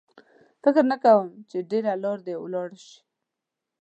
فکر نه کوم چې ډېره لار دې ولاړ شو.